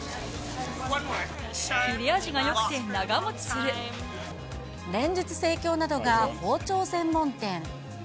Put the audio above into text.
切れ味がよくて、連日盛況なのが包丁専門店。